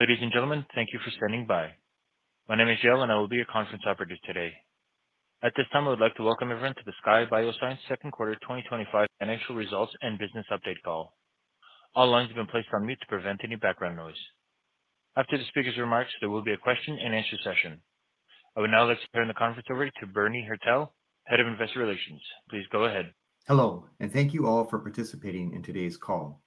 Ladies and gentlemen, thank you for standing by. My name is Yale and I will be your conference operator today. At this time, I would like to welcome everyone to the Skye Bioscience Second Quarter 2025 Financial Results and Business Update Call. All lines have been placed on mute to prevent any background noise. After the speaker's remarks, there will be a question-and-answer session. I would now like to turn the conference over to Bernie Hertel, Head of Investor Relations. Please go ahead. Hello, and thank you all for participating in today's call.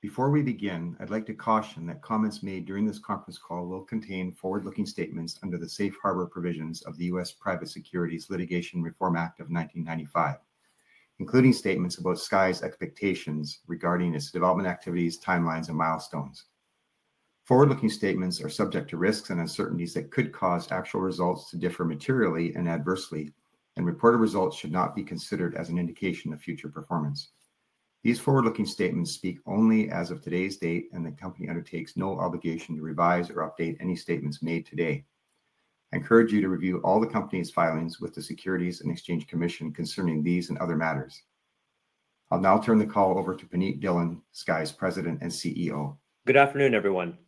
Before we begin, I'd like to caution that comments made during this conference call will contain forward-looking statements under the Safe Harbor provisions of the U.S. Private Securities Litigation Reform Act of 1995, including statements about Skye's expectations regarding its development activities, timelines, and milestones. Forward-looking statements are subject to risks and uncertainties that could cause actual results to differ materially and adversely, and reported results should not be considered as an indication of future performance. These forward-looking statements speak only as of today's date, and the company undertakes no obligation to revise or update any statements made today. I encourage you to review all the company's filings with the Securities and Exchange Commission concerning these and other matters. I'll now turn the call over to Punit Dhillon, Skye's President and CEO. Good afternoon, everyone.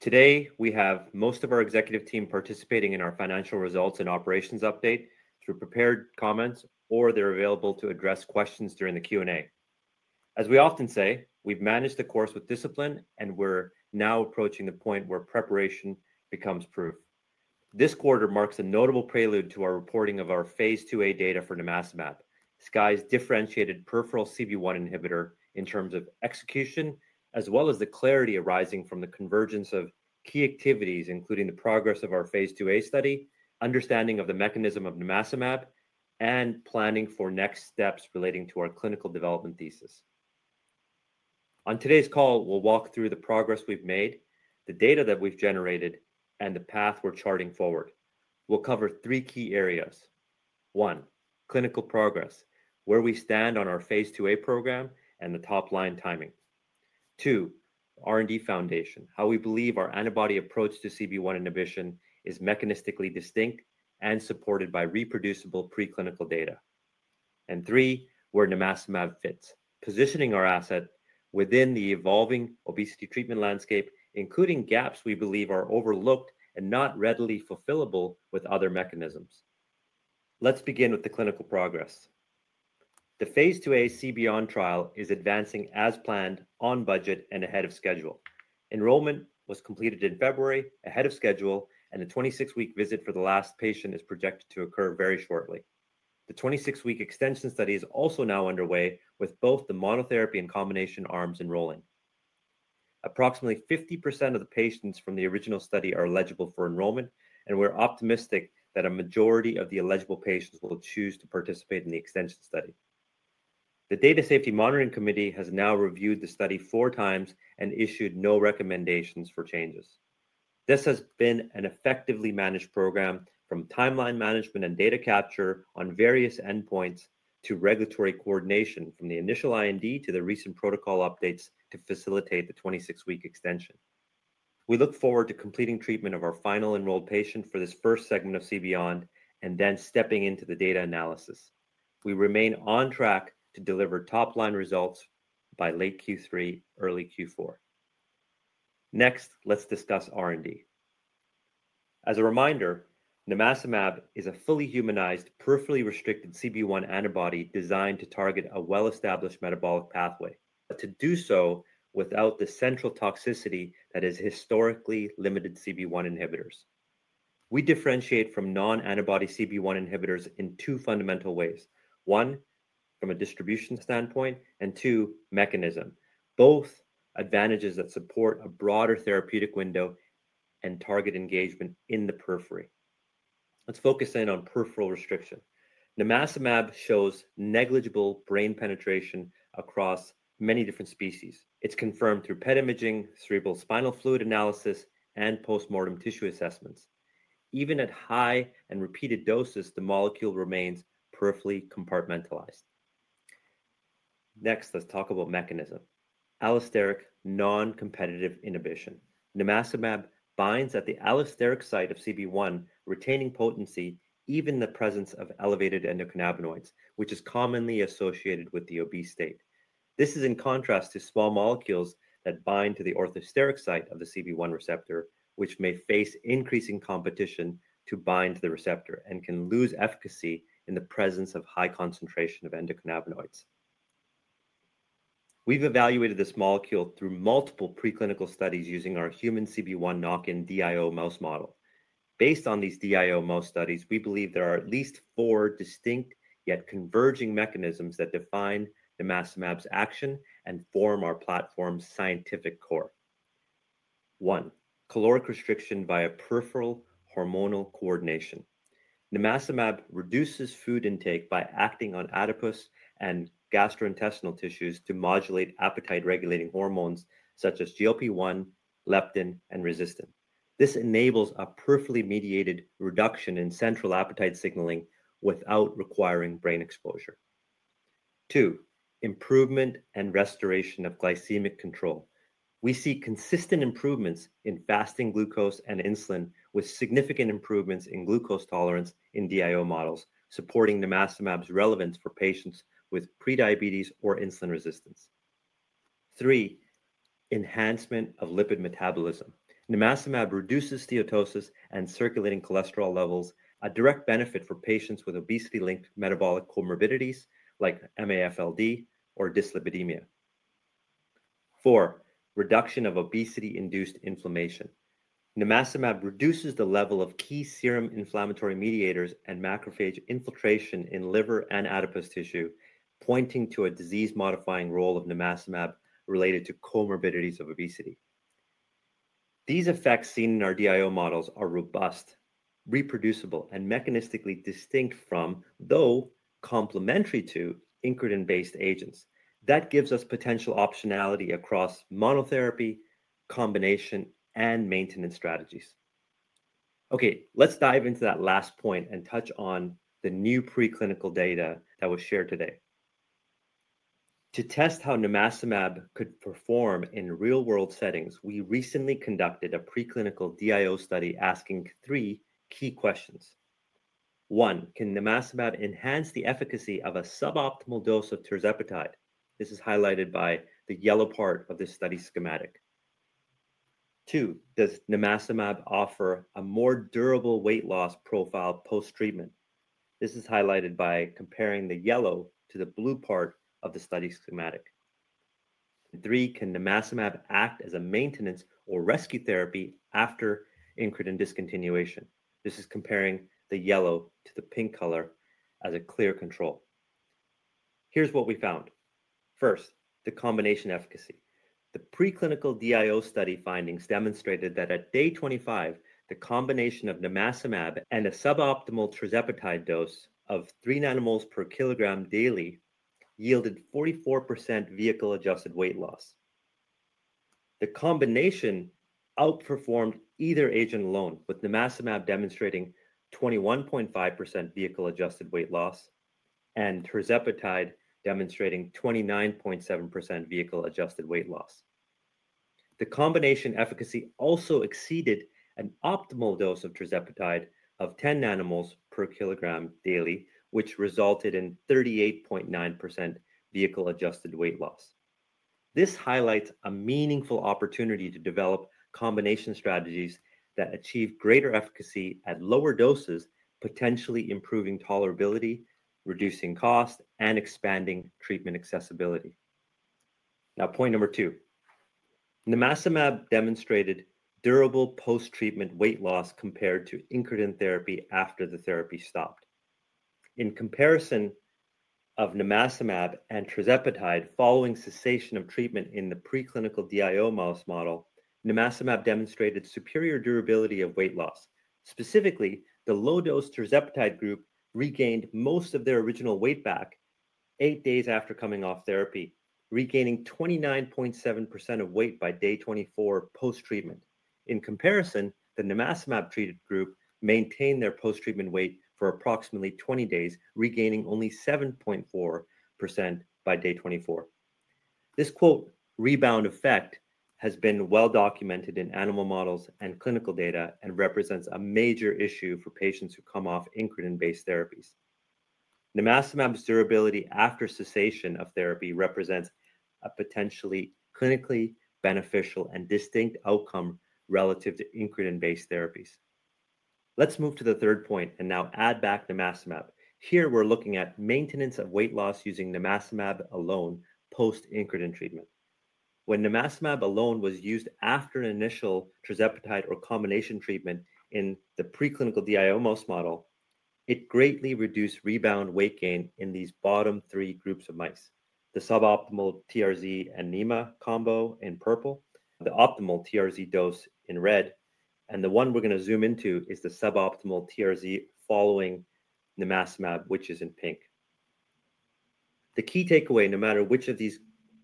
Today, we have most of our executive team participating in our financial results and operations update through prepared comments, or they're available to address questions during the Q&A. As we often say, we've managed the course with discipline, and we're now approaching the point where preparation becomes proof. This quarter marks a notable prelude to our reporting of Phase IIa data for nimacimab, Skye's differentiated peripheral CB1 inhibitor, in terms of execution, as well as the clarity arising from the convergence of key activities, including the progress of Phase IIa study, understanding of the mechanism of nimacimab, and planning for next steps relating to our clinical development thesis. On today's call, we'll walk through the progress we've made, the data that we've generated, and the path we're charting forward. We'll cover three key areas: one, clinical progress, where we stand on Phase IIa program and the top-line timing; two, R&D foundation, how we believe our antibody approach to CB1 inhibition is mechanistically distinct and supported by reproducible preclinical data; and three, where nimacimab fits, positioning our asset within the evolving obesity treatment landscape, including gaps we believe are overlooked and not readily fulfillable with other mechanisms. Let's begin with the clinical progress. Phase IIa cb1 trial is advancing as planned, on budget, and ahead of schedule. Enrollment was completed in February, ahead of schedule, and a 26-week visit for the last patient is projected to occur very shortly. The 26-week extension study is also now underway, with both the monotherapy and combination arms enrolling. Approximately 50% of the patients from the original study are eligible for enrollment, and we're optimistic that a majority of the eligible patients will choose to participate in the extension study. The Data Safety Monitoring Committee has now reviewed the study 4x and issued no recommendations for changes. This has been an effectively managed program, from timeline management and data capture on various endpoints to regulatory coordination, from the initial IND to the recent protocol updates to facilitate the 26-week extension. We look forward to completing treatment of our final enrolled patient for this first segment of CBIOND and then stepping into the data analysis. We remain on track to deliver top-line results by late Q3, early Q4. Next, let's discuss R&D. As a reminder, nimacimab is a fully humanized, peripherally restricted CB1 antibody designed to target a well-established metabolic pathway, but to do so without the central toxicity that has historically limited CB1 inhibitors. We differentiate from non-antibody CB1 inhibitors in two fundamental ways: one, from a distribution standpoint, and two, mechanism, both advantages that support a broader therapeutic window and target engagement in the periphery. Let's focus in on peripheral restriction. Nimacimab shows negligible brain penetration across many different species. It's confirmed through PET imaging, cerebral spinal fluid analysis, and postmortem tissue assessments. Even at high and repeated doses, the molecule remains peripherally compartmentalized. Next, let's talk about mechanism: allosteric noncompetitive inhibition. Nimacimab binds at the allosteric site of CB1, retaining potency even in the presence of elevated endocannabinoids, which is commonly associated with the obese state. This is in contrast to small molecules that bind to the orthosteric site of the CB1 receptor, which may face increasing competition to bind to the receptor and can lose efficacy in the presence of high concentration of endocannabinoids. We've evaluated this molecule through multiple preclinical studies using our human CB1 knock-in DIO mouse model. Based on these DIO mouse studies, we believe there are at least four distinct yet converging mechanisms that define nimacimab's action and form our platform's scientific core. One, caloric restriction via peripheral hormonal coordination. Nimacimab reduces food intake by acting on adipose and gastrointestinal tissues to modulate appetite-regulating hormones such as GLP-1, leptin, and resistin. This enables a peripherally mediated reduction in central appetite signaling without requiring brain exposure. Two, improvement and restoration of glycemic control. We see consistent improvements in fasting glucose and insulin, with significant improvements in glucose tolerance in DIO models, supporting nimacimab's relevance for patients with prediabetes or insulin resistance. Three, enhancement of lipid metabolism. Nimacimab reduces steatosis and circulating cholesterol levels, a direct benefit for patients with obesity-linked metabolic comorbidities like MAFLD or dyslipidemia. Four, reduction of obesity-induced inflammation. Nimacimab reduces the level of key serum inflammatory mediators and macrophage infiltration in liver and adipose tissue, pointing to a disease-modifying role of nimacimab related to comorbidities of obesity. These effects seen in our DIO models are robust, reproducible, and mechanistically distinct from, though complementary to, incretin-based agents. That gives us potential optionality across monotherapy, combination, and maintenance strategies. Okay, let's dive into that last point and touch on the new preclinical data that was shared today. To test how nimacimab could perform in real-world settings, we recently conducted a preclinical DIO study asking three key questions. One, can nimacimab enhance the efficacy of a suboptimal dose of tirzepatide? This is highlighted by the yellow part of this study schematic. Two, does nimacimab offer a more durable weight loss profile post-treatment? This is highlighted by comparing the yellow to the blue part of the study schematic. Three, can nimacimab act as a maintenance or rescue therapy after incretin discontinuation? This is comparing the yellow to the pink color as a clear control. Here's what we found. First, the combination efficacy. The preclinical DIO study findings demonstrated that at day 25, the combination of nimacimab and a suboptimal tirzepatide dose of 3 nmol/kg daily yielded 44% vehicle-adjusted weight loss. The combination outperformed either agent alone, with nimacimab demonstrating 21.5% vehicle-adjusted weight loss and tirzepatide demonstrating 29.7% vehicle-adjusted weight loss. The combination efficacy also exceeded an optimal dose of tirzepatide of 10 nmol/kg daily, which resulted in 38.9% vehicle-adjusted weight loss. This highlights a meaningful opportunity to develop combination strategies that achieve greater efficacy at lower doses, potentially improving tolerability, reducing cost, and expanding treatment accessibility. Now, point number two. nimacimab demonstrated durable post-treatment weight loss compared to incretin therapy after the therapy stopped. In comparison of nimacimab and tirzepatide following cessation of treatment in the preclinical DIO mouse model, nimacimab demonstrated superior durability of weight loss. Specifically, the low-dose tirzepatide group regained most of their original weight back eight days after coming off therapy, regaining 29.7% of weight by day 24 post-treatment. In comparison, the nimacimab-treated group maintained their post-treatment weight for approximately 20 days, regaining only 7.4% by day 24. This rebound effect has been well documented in animal models and clinical data and represents a major issue for patients who come off incretin-based therapies. Nimacimab's durability after cessation of therapy represents a potentially clinically beneficial and distinct outcome relative to incretin-based therapies. Let's move to the third point and now add back nimacimab. Here, we're looking at maintenance of weight loss using nimacimab alone post-incretin treatment. When nimacimab alone was used after an initial tirzepatide or combination treatment in the preclinical DIO mouse model, it greatly reduced rebound weight gain in these bottom three groups of mice: the suboptimal TRZ and NEMA combo in purple, the optimal TRZ dose in red, and the one we're going to zoom into is the suboptimal TRZ following nimacimab, which is in pink. The key takeaway, no matter which of these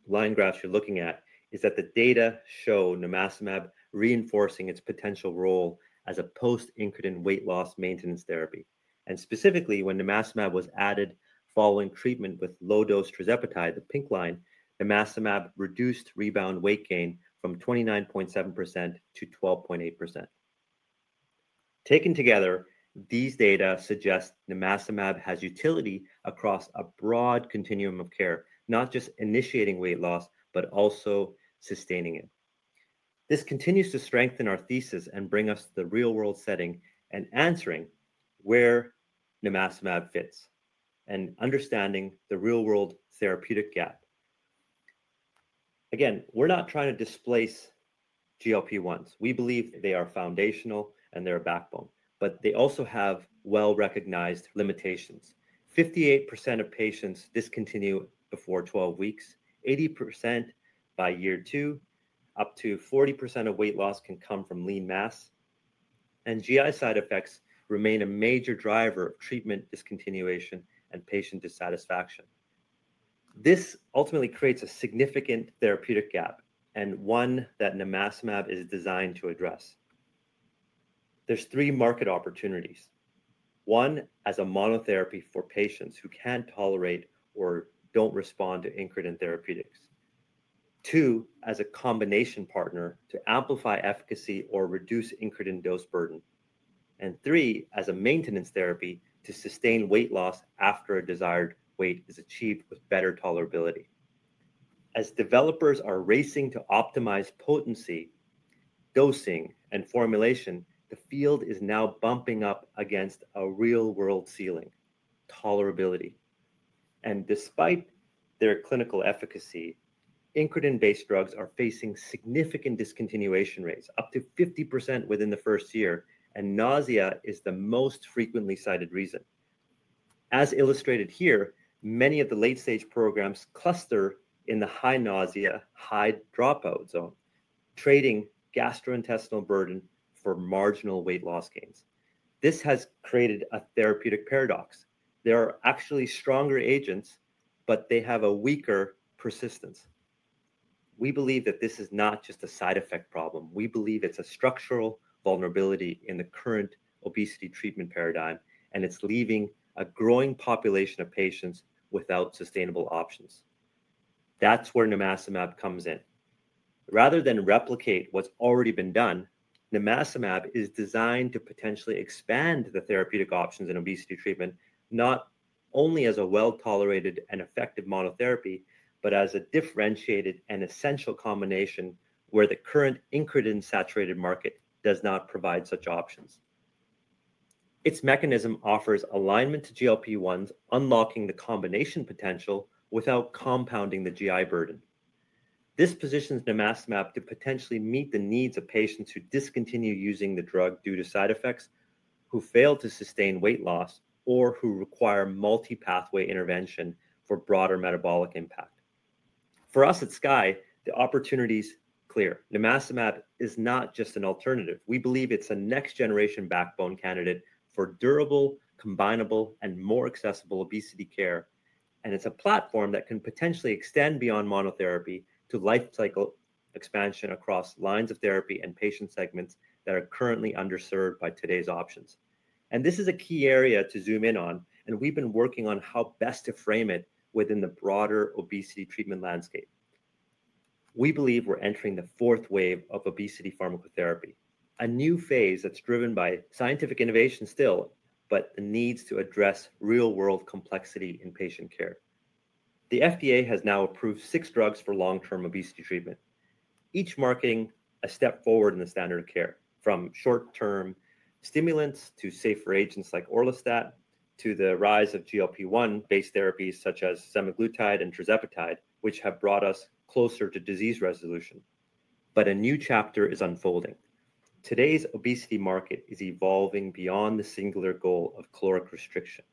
line graphs you're looking at, is that the data show nimacimab reinforcing its potential role as a post-incretin weight loss maintenance therapy. Specifically, when nimacimab was added following treatment with low-dose tirzepatide, the pink line, nimacimab reduced rebound weight gain from 29.7% to 12.8%. Taken together, these data suggest nimacimab has utility across a broad continuum of care, not just initiating weight loss, but also sustaining it. This continues to strengthen our thesis and bring us to the real-world setting and answering where nimacimab fits and understanding the real-world therapeutic gap. Again, we're not trying to displace GLP-1s. We believe they are foundational and they're a backbone, but they also have well-recognized limitations. 58% of patients discontinue before 12 weeks, 80% by year two, up to 40% of weight loss can come from lean mass, and GI side effects remain a major driver of treatment discontinuation and patient dissatisfaction. This ultimately creates a significant therapeutic gap and one that nimacimab is designed to address. There's three market opportunities: one, as a monotherapy for patients who can't tolerate or don't respond to incretin therapeutics; two, as a combination partner to amplify efficacy or reduce incretin dose burden; and three, as a maintenance therapy to sustain weight loss after a desired weight is achieved with better tolerability. As developers are racing to optimize potency, dosing, and formulation, the field is now bumping up against a real-world ceiling: tolerability. Despite their clinical efficacy, incretin-based drugs are facing significant discontinuation rates, up to 50% within the first year, and nausea is the most frequently cited reason. As illustrated here, many of the late-stage programs cluster in the high nausea, high dropout zone, trading gastrointestinal burden for marginal weight loss gains. This has created a therapeutic paradox. There are actually stronger agents, but they have a weaker persistence. We believe that this is not just a side effect problem. We believe it's a structural vulnerability in the current obesity treatment paradigm, and it's leaving a growing population of patients without sustainable options. That's where nimacimab comes in. Rather than replicate what's already been done, nimacimab is designed to potentially expand the therapeutic options in obesity treatment, not only as a well-tolerated and effective monotherapy, but as a differentiated and essential combination where the current incretin-saturated market does not provide such options. Its mechanism offers alignment to GLP-1s, unlocking the combination potential without compounding the GI burden. This positions nimacimab to potentially meet the needs of patients who discontinue using the drug due to side effects, who fail to sustain weight loss, or who require multi-pathway intervention for broader metabolic impact. For us at Skye, the opportunity is clear. nimacimab is not just an alternative. We believe it's a next-generation backbone candidate for durable, combinable, and more accessible obesity care, and it's a platform that can potentially extend beyond monotherapy to lifecycle expansion across lines of therapy and patient segments that are currently underserved by today's options. This is a key area to zoom in on, and we've been working on how best to frame it within the broader obesity treatment landscape. We believe we're entering the fourth wave of obesity pharmacotherapy, a new phase that's driven by scientific innovation still, but needs to address real-world complexity in patient care. The FDA has now approved six drugs for long-term obesity treatment, each marking a step forward in the standard of care, from short-term stimulants to safer agents like orlistat, to the rise of GLP-1 base therapy such as semaglutide and tirzepatide, which have brought us closer to disease resolution. A new chapter is unfolding. Today's obesity market is evolving beyond the singular goal of caloric restriction.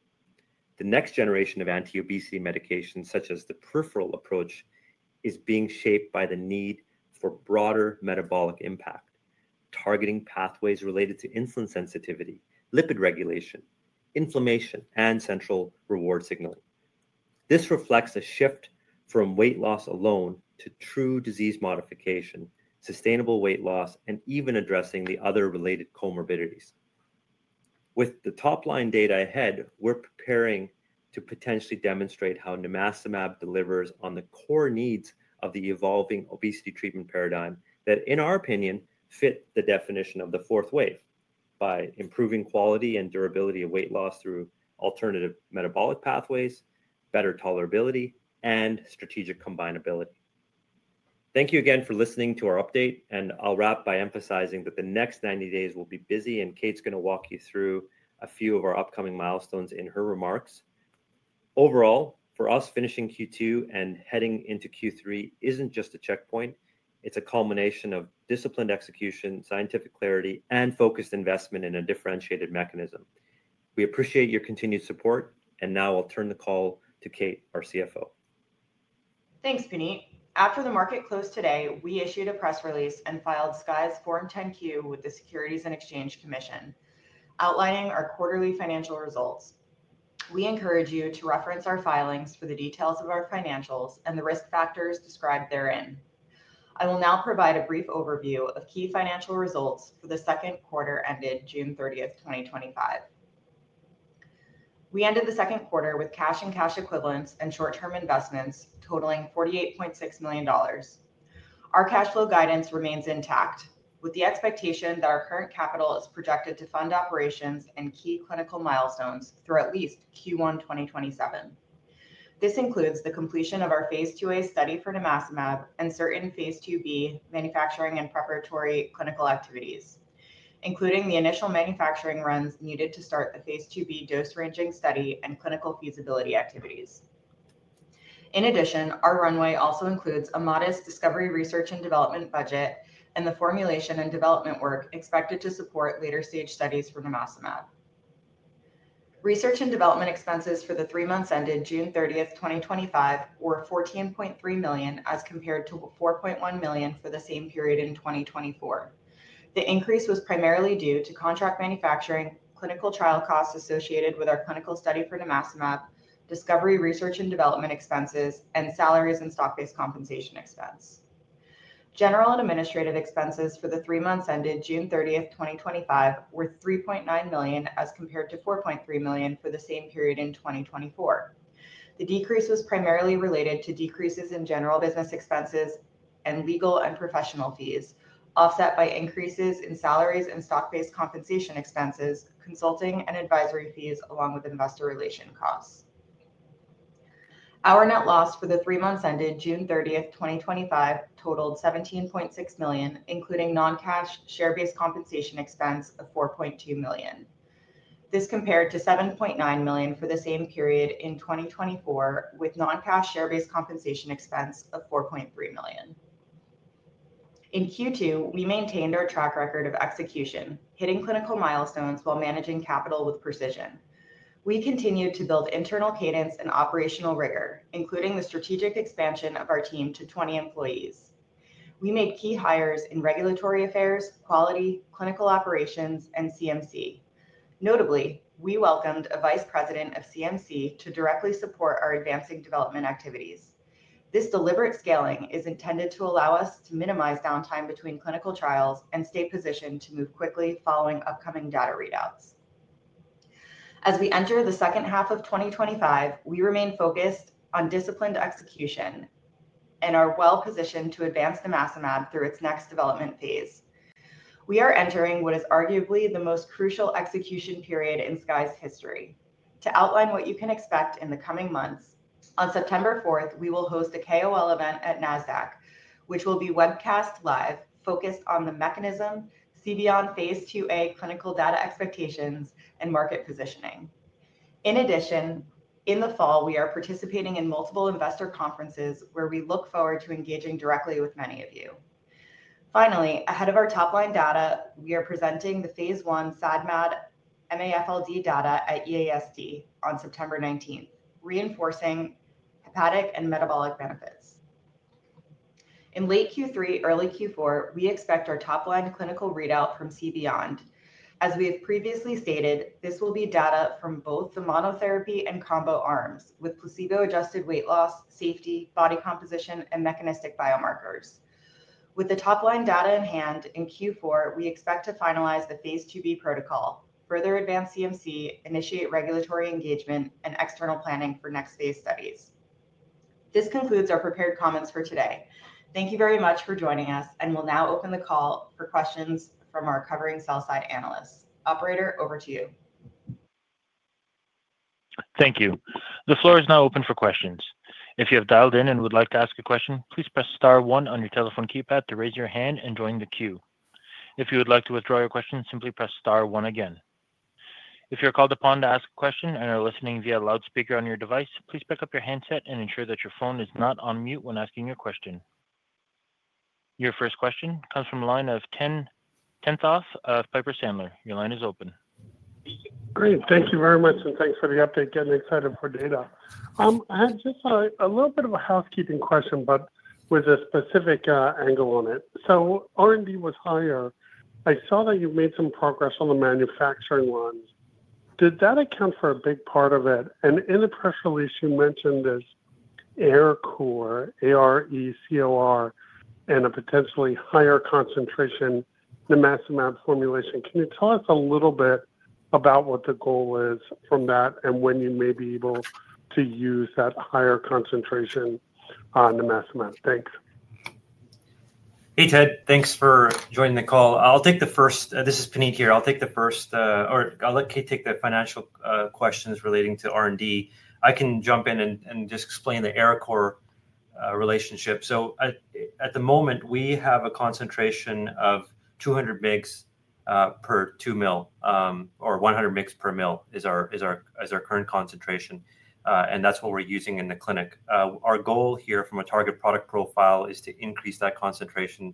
The next generation of anti-obesity medications, such as the peripheral approach, is being shaped by the need for broader metabolic impact, targeting pathways related to insulin sensitivity, lipid metabolism, inflammation, and central reward signaling. This reflects a shift from weight loss alone to true disease modification, sustainable weight loss, and even addressing the other related comorbidities. With the top-line data ahead, we're preparing to potentially demonstrate how nimacimab delivers on the core needs of the evolving obesity treatment paradigm that, in our opinion, fit the definition of the fourth wave by improving quality and durability of weight loss through alternative metabolic pathways, better tolerability, and strategic combinability. Thank you again for listening to our update. I'll wrap by emphasizing that the next 90 days will be busy, and Kait's going to walk you through a few of our upcoming milestones in her remarks. Overall, for us, finishing Q2 and heading into Q3 isn't just a checkpoint. It's a culmination of disciplined execution, scientific clarity, and focused investment in a differentiated mechanism. We appreciate your continued support, and now I'll turn the call to Kait our CFO. Thanks, Punit. After the market closed today, we issued a press release and filed Skye's Form 10-Q with the Securities and Exchange Commission, outlining our quarterly financial results. We encourage you to reference our filings for the details of our financials and the risk factors described therein. I will now provide a brief overview of key financial results for the second quarter ended June 30th, 2025. We ended the second quarter with cash and cash equivalents and short-term investments totaling $48.6 million. Our cash flow guidance remains intact, with the expectation that our current capital is projected to fund operations and key clinical milestones through at least Q1 2027. This includes the completion of Phase IIa study for nimacimab and Phase IIb manufacturing and preparatory clinical activities, including the initial manufacturing runs needed to start Phase IIb dose-ranging study and clinical feasibility activities. In addition, our runway also includes a modest discovery research and development budget and the formulation and development work expected to support later-stage studies for nimacimab. Research and development expenses for the three months ended June 30th, 2025, were $14.3 million as compared to $4.1 million for the same period in 2024. The increase was primarily due to contract manufacturing, clinical trial costs associated with our clinical study for nimacimab, discovery research and development expenses, and salaries and stock-based compensation expense. General and administrative expenses for the three months ended June 30th, 2025, were $3.9 million as compared to $4.3 million for the same period in 2024. The decrease was primarily related to decreases in general business expenses and legal and professional fees, offset by increases in salaries and stock-based compensation expenses, consulting and advisory fees, along with investor relation costs. Our net loss for the three months ended June 30th, 2025, totaled $17.6 million, including non-cash share-based compensation expense of $4.2 million. This compared to $7.9 million for the same period in 2024, with non-cash share-based compensation expense of $4.3 million. In Q2, we maintained our track record of execution, hitting clinical milestones while managing capital with precision. We continued to build internal cadence and operational rigor, including the strategic expansion of our team to 20 employees. We made key hires in Regulatory Affairs, Quality, Clinical Operations, and CMC. Notably, we welcomed a Vice President of CMC to directly support our advancing development activities. This deliberate scaling is intended to allow us to minimize downtime between clinical trials and stay positioned to move quickly following upcoming data readouts. As we enter the second half of 2025, we remain focused on disciplined execution and are well-positioned to advance nimacimab through its next development phase. We are entering what is arguably the most crucial execution period in Skye's history. To outline what you can expect in the coming months, on September 4th, we will host a KOL event at NASDAQ, which will be webcast live, focused on the mechanism, Phase IIa clinical data expectations, and market positioning. In addition, in the fall, we are participating in multiple investor conferences where we look forward to engaging directly with many of you. Finally, ahead of our top-line data, we are presenting the Phase I SADMAD MAFLD data at EASD on September 19th, reinforcing hepatic and metabolic benefits. In late Q3, early Q4, we expect our top-line clinical readout from CBIOND. As we have previously stated, this will be data from both the monotherapy and combo arms, with placebo-adjusted weight loss, safety, body composition, and mechanistic biomarkers. With the top-line data in hand, in Q4, we expect to finalize Phase IIb protocol, further advance CMC, initiate regulatory engagement, and external planning for next-phase studies. This concludes our prepared comments for today. Thank you very much for joining us, and we'll now open the call for questions from our covering sell-side analysts. Operator, over to you. Thank you. The floor is now open for questions. If you have dialed in and would like to ask a question, please press star one on your telephone keypad to raise your hand and join the queue. If you would like to withdraw your question, simply press star one again. If you're called upon to ask a question and are listening via a loudspeaker on your device, please pick up your handset and ensure that your phone is not on mute when asking your question. Your first question comes from the line of Ted Tenthoff of Piper Sandler. Your line is open. Great, thank you very much, and thanks for the update. Getting excited for data. I had just a little bit of a housekeeping question, but with a specific angle on it. R&D was higher. I saw that you've made some progress on the manufacturing lines. Did that account for a big part of it? In the press release, you mentioned this Arecor and a potentially higher concentration nimacimab formulation. Can you tell us a little bit about what the goal is from that and when you may be able to use that higher concentration on nimacimab? Thanks. Hey, Ted, thanks for joining the call. I'll take the first. This is Punit here. I'll take the first, or I'll let Kait take the financial questions relating to R&D. I can jump in and just explain the Arecor relationship. At the moment, we have a concentration of 200 mg per 2 mL, or 100 mg per mL is our current concentration, and that's what we're using in the clinic. Our goal here from a target product profile is to increase that concentration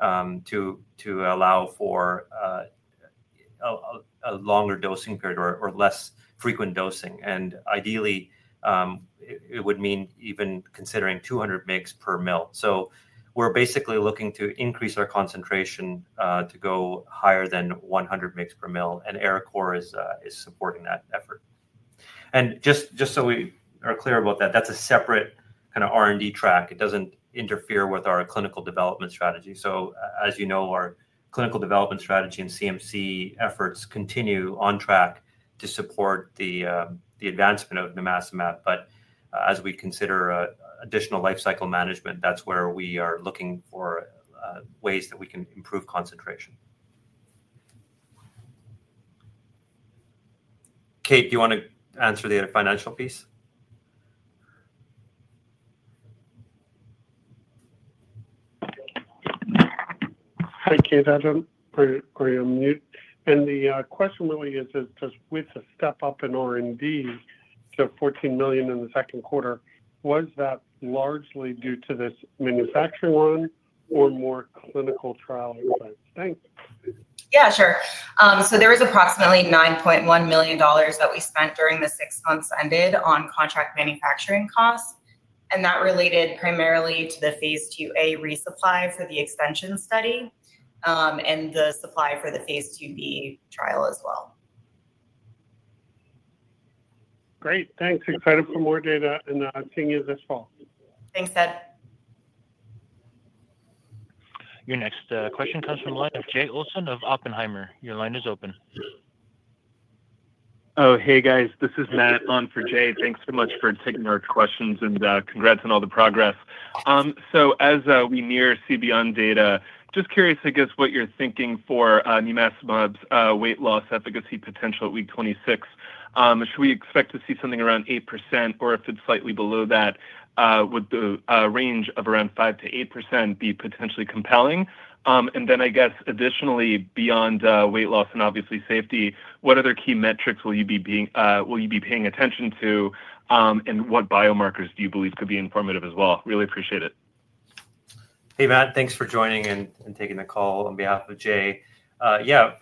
to allow for a longer dosing period or less frequent dosing. Ideally, it would mean even considering 200 mg per ml. We're basically looking to increase our concentration to go higher than 100 mg per mL, and Arecor is supporting that effort. Just so we are clear about that, that's a separate kind of R&D track. It doesn't interfere with our clinical development strategy. As you know, our clinical development strategy and CMC efforts continue on track to support the advancement of nimacimab. As we consider additional lifecycle management, that's where we are looking for ways that we can improve concentration. Kait, do you want to answer the financial piece? Hi, Kait. The question really is, does with the step up in R&D, the $14 million in the second quarter, was that largely due to this manufacturing line or more clinical trial line? Yeah, sure. There was approximately $9.1 million that we spent during the six months ended on contract manufacturing costs, and that related primarily to Phase IIa resupply for the extension study and the supply for Phase IIb trial as well. Great, thanks. Excited for more data in the opportunity this fall. Thanks, Ted. Your next question comes from a line of Jay Olson of Oppenheimer. Your line is open. Oh, hey guys, this is Matt on for Jay. Thanks so much for taking our questions and congrats on all the progress. As we near CBIOND data, just curious, I guess, what you're thinking for nimacimab's weight loss efficacy potential at week 26. Should we expect to see something around 8% or if it's slightly below that, would the range of around 5% to 8% be potentially compelling? Additionally, beyond weight loss and obviously safety, what other key metrics will you be paying attention to and what biomarkers do you believe could be informative as well? Really appreciate it. Hey Matt, thanks for joining and taking the call on behalf of Jay. Yeah,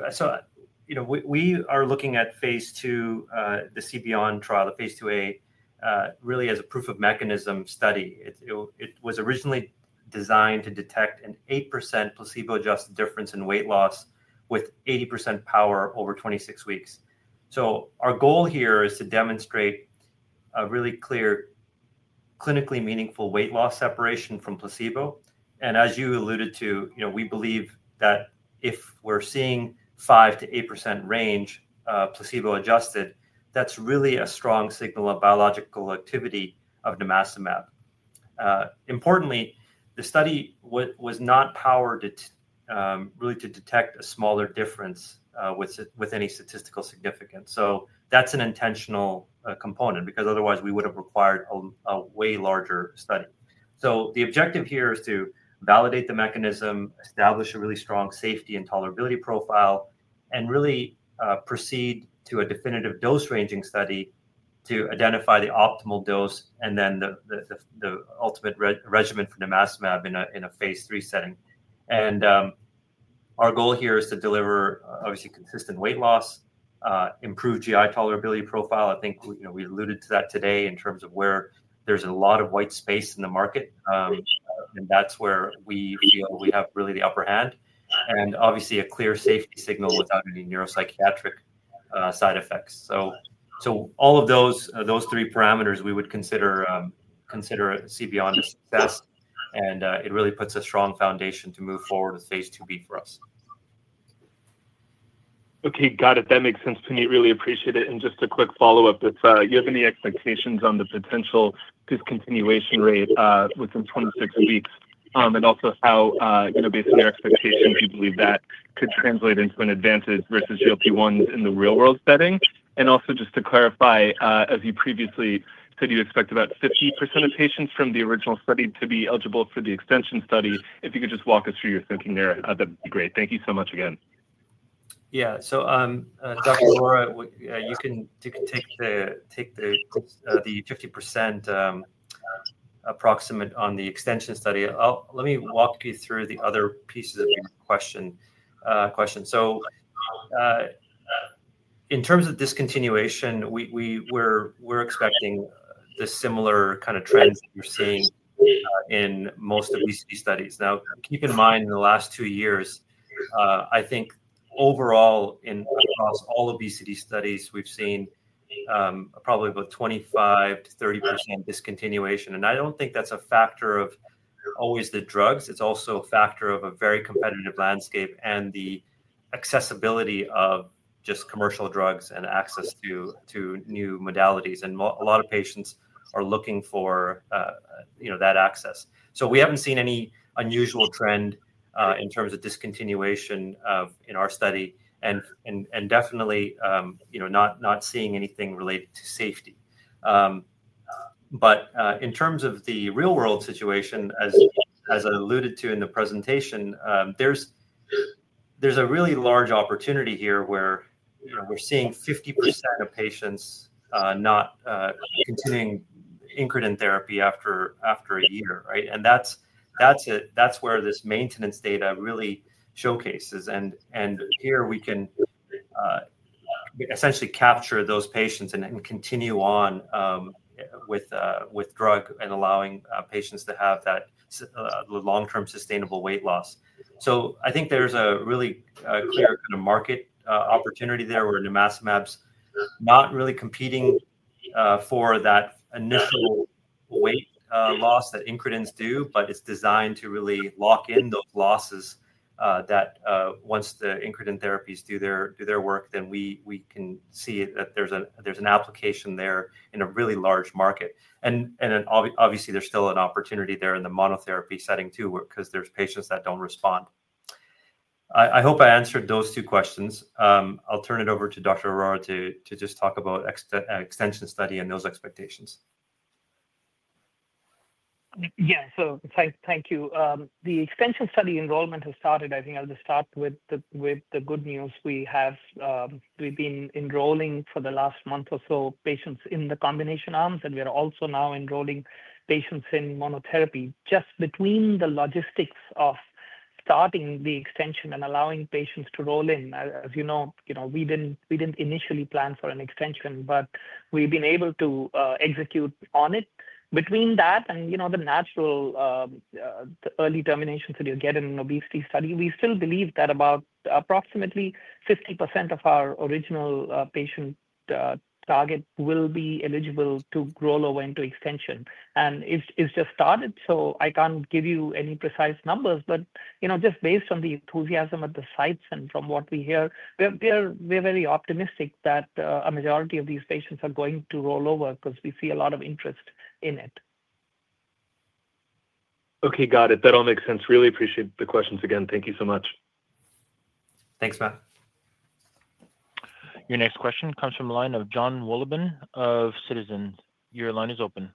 we are looking at Phase II, the CBIOND trial, Phase IIa, really as a proof-of-mechanism study. It was originally designed to detect an 8% placebo-adjusted difference in weight loss with 80% power over 26 weeks. Our goal here is to demonstrate a really clear, clinically meaningful weight loss separation from placebo. As you alluded to, we believe that if we're seeing 5%-8% range placebo-adjusted, that's really a strong signal of biological activity of nimacimab. Importantly, the study was not powered to detect a smaller difference with any statistical significance. That's an intentional component because otherwise we would have required a way larger study. The objective here is to validate the mechanism, establish a really strong safety and tolerability profile, and proceed to a definitive dose-ranging study to identify the optimal dose and then the ultimate regimen for nimacimab in a Phase III setting. Our goal here is to deliver, obviously, consistent weight loss, improve GI tolerability profile. I think we alluded to that today in terms of where there's a lot of white space in the market, and that's where we feel we have really the upper hand and obviously a clear safety signal without any neuropsychiatric side effects. All of those three parameters we would consider CBIOND a success, and it really puts a strong foundation to move forward Phase IIb for us. Okay, got it. That makes sense, Punit. Really appreciate it. Just a quick follow-up, if you have any expectations on the potential discontinuation rate within 26 weeks and also how, you know, based on your expectations, we believe that could translate into an advantage versus GLP-1s in the real-world setting. Also, just to clarify, as you previously said, you expect about 50% of patients from the original study to be eligible for the extension study. If you could just walk us through your thinking there, that'd be great. Thank you so much again. Yeah, Dr. Arora, you can take the 50% approximate on the extension study. Let me walk you through the other pieces of your question. In terms of discontinuation, we're expecting the similar kind of trends that we're seeing in most obesity studies. Now, keep in mind, in the last two years, I think overall in almost all obesity studies, we've seen probably about 25%-30% discontinuation. I don't think that's a factor of always the drugs. It's also a factor of a very competitive landscape and the accessibility of just commercial drugs and access to new modalities. A lot of patients are looking for that access. We haven't seen any unusual trend in terms of discontinuation in our study and definitely not seeing anything related to safety. In terms of the real-world situation, as I alluded to in the presentation, there's a really large opportunity here where we're seeing 50% of patients not continuing incretin therapy after a year, right? That's where this maintenance data really showcases. Here we can essentially capture those patients and continue on with drug and allowing patients to have that long-term sustainable weight loss. I think there's a really clear market opportunity there where nimacimab's not really competing for that initial weight loss that incretins do, but it's designed to really lock in those losses that once the incretin therapies do their work, then we can see that there's an application there in a really large market. Obviously, there's still an opportunity there in the monotherapy setting too, because there's patients that don't respond. I hope I answered those two questions. I'll turn it over to Dr.Arora to just talk about the extension study and those expectations. Thank you. The extension study enrollment has started. I'll just start with the good news. We've been enrolling for the last month or so patients in the combination arms, and we're also now enrolling patients in monotherapy. Just between the logistics of starting the extension and allowing patients to roll in, as you know, we didn't initially plan for an extension, but we've been able to execute on it. Between that and the natural early terminations that you get in an obesity study, we still believe that approximately 50% of our original patient target will be eligible to roll over into extension. It's just started, so I can't give you any precise numbers, but just based on the enthusiasm of the sites and from what we hear, we're very optimistic that a majority of these patients are going to roll over because we see a lot of interest in it. Okay, got it. That all makes sense. Really appreciate the questions again. Thank you so much. Thanks, Matt. Your next question comes from a line of Jon Wolleben of Citizens. Your line is open.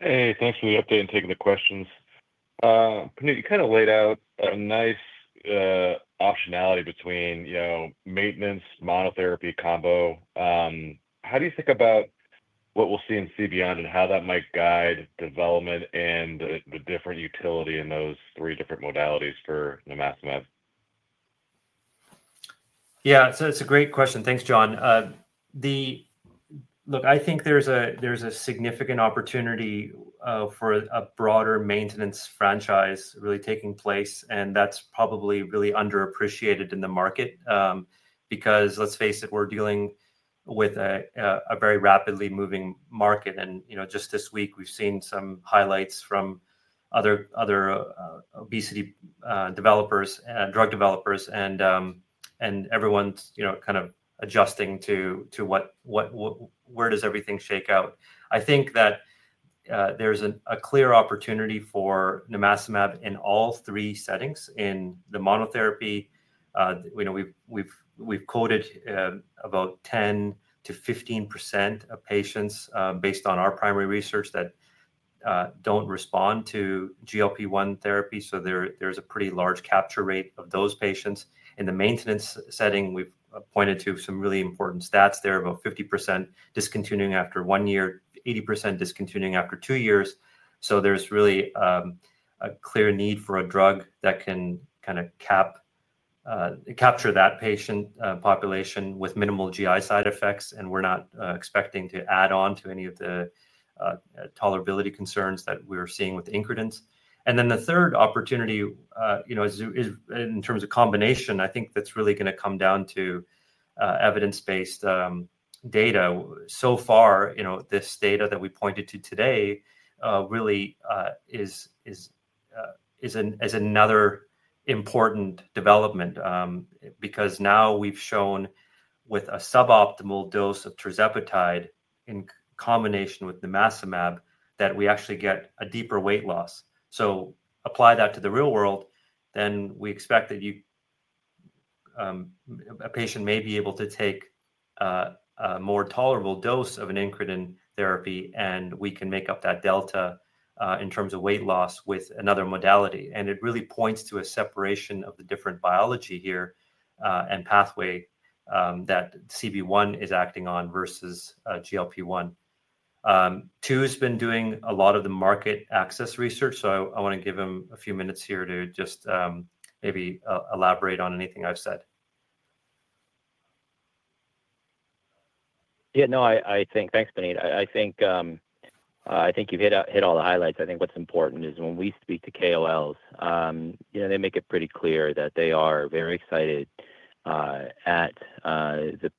Hey, thanks for the update and taking the questions. Punit, you kind of laid out a nice optionality between, you know, maintenance, monotherapy, combo. How do you think about what we'll see in CBIOND and how that might guide development and the different utility in those three different modalities for nimacimab? Yeah, so that's a great question. Thanks, Jon. Look, I think there's a significant opportunity for a broader maintenance franchise really taking place, and that's probably really underappreciated in the market because let's face it, we're dealing with a very rapidly moving market. You know, just this week we've seen some highlights from other obesity developers and drug developers, and everyone's kind of adjusting to where does everything shake out. I think that there's a clear opportunity for nimacimab in all three settings. In the monotherapy, we've quoted about 10%-15% of patients based on our primary research that don't respond to GLP-1 therapy, so there's a pretty large capture rate of those patients. In the maintenance setting, we've pointed to some really important stats there, about 50% discontinuing after one year, 80% discontinuing after two years. There's really a clear need for a drug that can kind of capture that patient population with minimal GI side effects, and we're not expecting to add on to any of the tolerability concerns that we're seeing with incretins. The third opportunity, in terms of combination, I think that's really going to come down to evidence-based data. So far, this data that we pointed to today really is another important development because now we've shown with a suboptimal dose of tirzepatide in combination with nimacimab that we actually get a deeper weight loss. Apply that to the real world, then we expect that a patient may be able to take a more tolerable dose of an incretin therapy, and we can make up that delta in terms of weight loss with another modality. It really points to a separation of the different biology here and pathway that CB1 is acting on versus GLP-1. Tu has been doing a lot of the market access research, so I want to give him a few minutes here to just maybe elaborate on anything I've said. Yeah, no, I think, thanks Punit. I think you've hit all the highlights. I think what's important is when we speak to KOLs, they make it pretty clear that they are very excited at the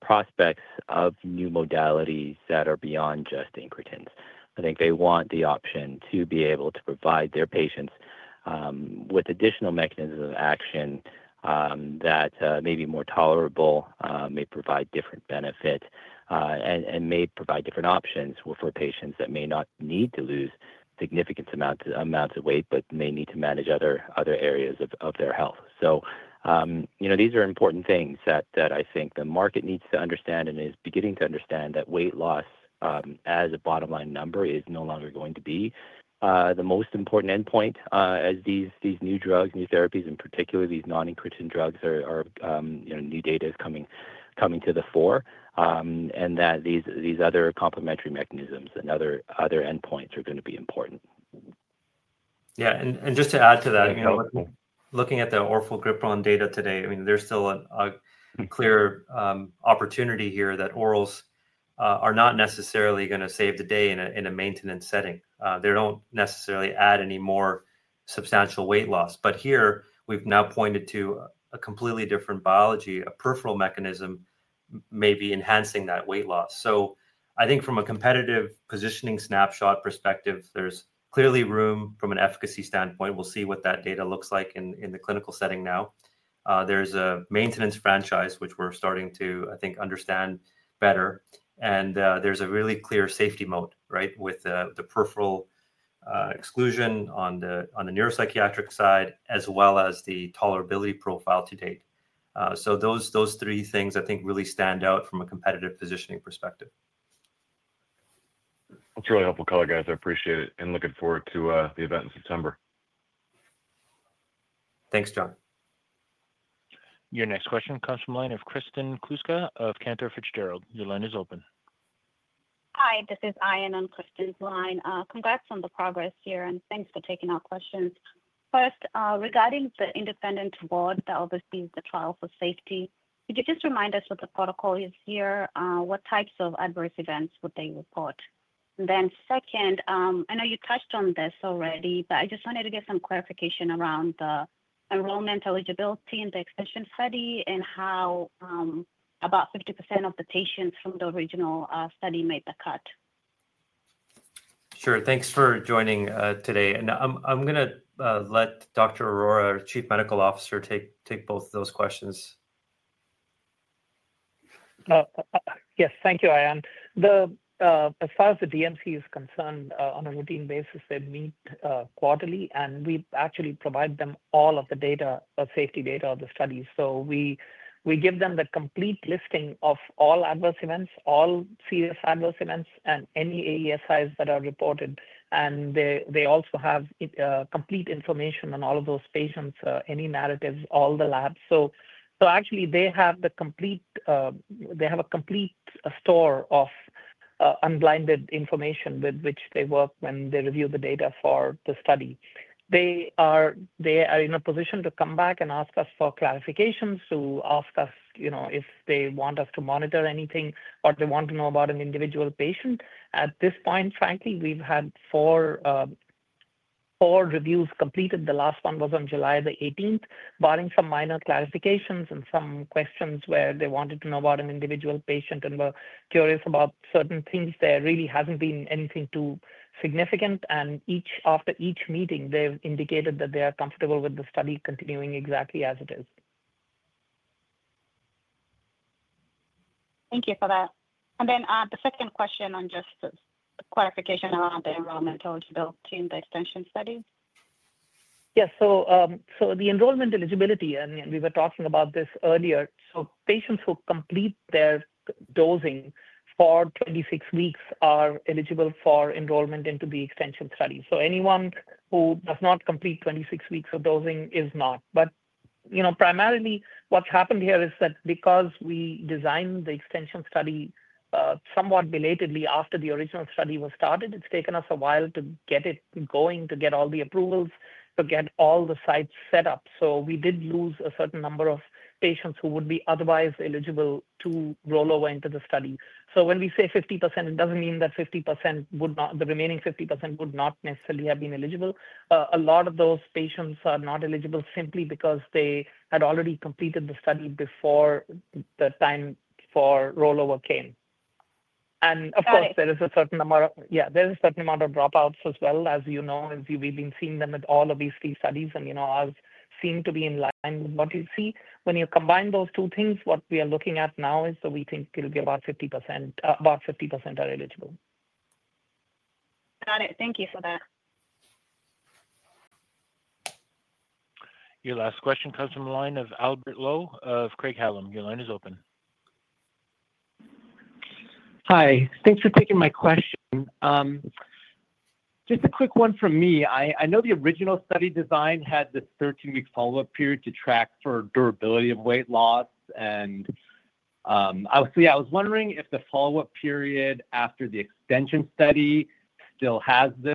prospects of new modalities that are beyond just incretins. I think they want the option to be able to provide their patients with additional mechanisms of action that may be more tolerable, may provide different benefits, and may provide different options for patients that may not need to lose significant amounts of weight, but may need to manage other areas of their health. These are important things that I think the market needs to understand and is beginning to understand that weight loss as a bottom line number is no longer going to be the most important endpoint as these new drugs, new therapies, and particularly these non-incretin drugs, new data is coming to the fore, and that these other complementary mechanisms and other endpoints are going to be important. Yeah, and just to add to that, you know, looking at the orforglipron data today, there's still a clear opportunity here that orals are not necessarily going to save the day in a maintenance setting. They don't necessarily add any more substantial weight loss, but here we've now pointed to a completely different biology, a peripheral mechanism may be enhancing that weight loss. I think from a competitive positioning snapshot perspective, there's clearly room from an efficacy standpoint. We'll see what that data looks like in the clinical setting now. There's a maintenance franchise, which we're starting to, I think, understand better, and there's a really clear safety mode, right, with the peripheral exclusion on the neuropsychiatric side, as well as the tolerability profile to date. Those three things I think really stand out from a competitive positioning perspective. That's really helpful, guys. I appreciate it and looking forward to the event in September. Thanks, John. Your next question comes from a line of Kristen Kluska of Cantor Fitzgerald. Your line is open. Hi, this is Ayan on Kristen's line. Congrats on the progress here and thanks for taking our questions. First, regarding the independent board that oversees the trial for safety, could you just remind us what the protocol is here? What types of adverse events would they report? I know you touched on this already, but I just wanted to get some clarification around the enrollment eligibility in the extension study and how about 50% of the patients from the original study made the cut. Sure, thanks for joining today. I'm going to let Dr. Arora, Chief Medical Officer, take both of those questions. Yes, thank you, Ayan. As far as the DMC is concerned, on a routine basis, they meet quarterly, and we actually provide them all of the data, safety data of the study. We give them the complete listing of all adverse events, all serious adverse events, and any AESIs that are reported. They also have complete information on all of those patients, any narratives, all the labs. They have a complete store of unblinded information with which they work when they review the data for the study. They are in a position to come back and ask us for clarifications, to ask us if they want us to monitor anything or they want to know about an individual patient. At this point, frankly, we've had four reviews completed. The last one was on July 18, barring some minor clarifications and some questions where they wanted to know about an individual patient and were curious about certain things. There really hasn't been anything too significant, and after each meeting, they've indicated that they are comfortable with the study continuing exactly as it is. Thank you for that. The second question is just the clarification around the enrollment eligibility in the extension study. Yeah, so the enrollment eligibility, and we were talking about this earlier, so patients who complete their dosing for 26 weeks are eligible for enrollment into the extension study. Anyone who does not complete 26 weeks of dosing is not. Primarily what's happened here is that because we designed the extension study somewhat belatedly after the original study was started, it's taken us a while to get it going, to get all the approvals, to get all the sites set up. We did lose a certain number of patients who would be otherwise eligible to roll over into the study. When we say 50%, it doesn't mean that 50% would not, the remaining 50% would not necessarily have been eligible. A lot of those patients are not eligible simply because they had already completed the study before the time for rollover came. There is a certain amount of dropouts as well, as we've been seeing them with all obesity studies. As seem to be in line with what you see, when you combine those two things, what we are looking at now is that we think it'll be about 50%, about 50% are eligible. Got it. Thank you for that. Your last question comes from a line of Albert Lowe of Craig-Hallum. Your line is open. Hi, thanks for taking my question. Just a quick one from me. I know the original study design had the 13 follow-up period to track for durability of weight loss. I was wondering if the follow-up period after the extension study still has this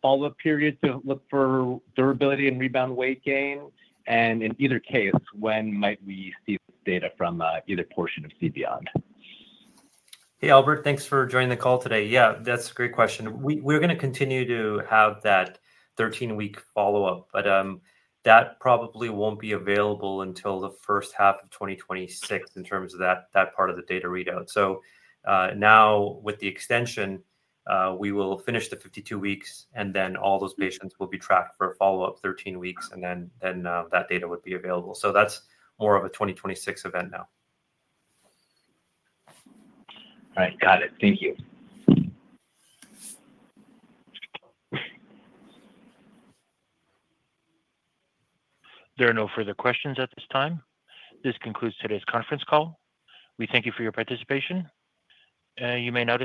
follow-up period to look for durability and rebound weight gain. In either case, when might we see this data from either portion of CBIOND? Hey Albert, thanks for joining the call today. Yeah, that's a great question. We're going to continue to have that 13-week follow-up, but that probably won't be available until the first-half of 2026 in terms of that part of the data readout. Now with the extension, we will finish the 52 weeks, and then all those patients will be tracked for a follow-up 13 weeks, and then that data would be available. That's more of a 2026 event now. All right, got it. Thank you. There are no further questions at this time. This concludes today's conference call. We thank you for your participation. You may now disconnect.